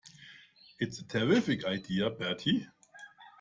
It's a terrific idea, Bertie.